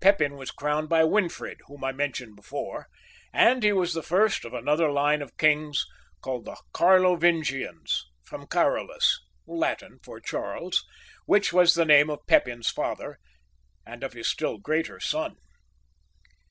Pepin was crowned by Winfrid, whom I mentioned before, and he was the first of another line of kings called the Carlovingians, from Carolus, Latin for Charles, which was the name of Pepin's father, and of his still greater son.